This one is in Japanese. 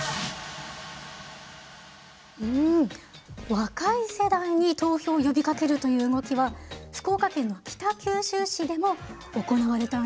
若い世代に投票を呼びかけるという動きは福岡県の北九州市でも行われたんです。